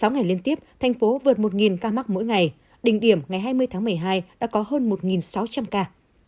sáu ngày liên tiếp thành phố vượt một ca mắc mỗi ngày đỉnh điểm ngày hai mươi tháng một mươi hai đã có hơn một sáu trăm linh ca